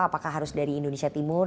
apakah harus dari indonesia timur